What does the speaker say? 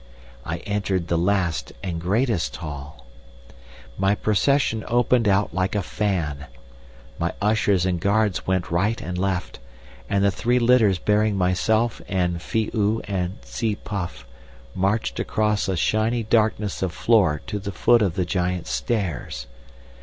"I entered the last and greatest hall.... "My procession opened out like a fan. My ushers and guards went right and left, and the three litters bearing myself and Phi oo and Tsi puff marched across a shiny darkness of floor to the foot of the giant stairs.